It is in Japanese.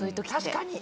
確かに。